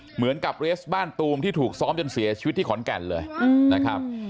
เหมือนกับเรสบ้านตูมที่ถูกซ้อมจนเสียชีวิตที่ขอนแก่นเลยนะครับ